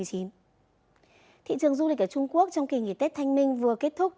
thị trường du lịch ở trung quốc trong kỳ nghỉ tết thanh minh vừa kết thúc